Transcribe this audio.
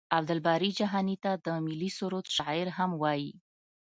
عبدالباري جهاني ته د ملي سرود شاعر هم وايي.